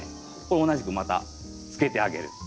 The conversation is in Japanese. これ同じくまたつけてあげる。